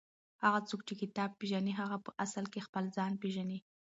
هغه څوک چې کتاب پېژني هغه په اصل کې خپل ځان پېژني.